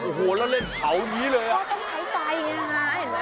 โอ้โหแล้วเล่นเผาอย่างนี้เลยว่าต้องใช้ไฟไงฮะ